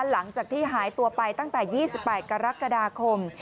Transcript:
หลังจากที่หายตัวไปตั้งแต่๒๘กรกฎาคม